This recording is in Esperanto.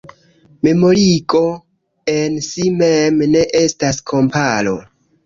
Memorigo en si mem ne estas komparo.